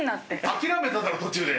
諦めただろ途中で。